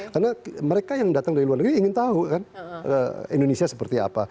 karena mereka yang datang dari luar negeri ingin tahu kan indonesia seperti apa